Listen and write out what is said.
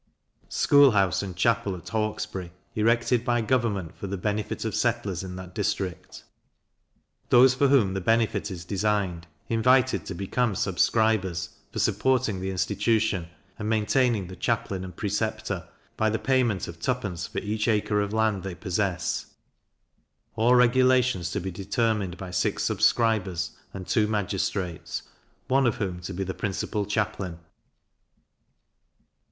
School house and Chapel at Hawkesbury, erected by Gorvernment for the Benefit of Settlers in that District. Those for whom the benefit is designed, invited to become subscribers, for supporting the institution, and maintaining the chaplain and preceptor, by the payment of two pence for each acre of land they possess. All regulations to be determined by six subscribers, and two magistrates, one of whom to be the principal chaplain.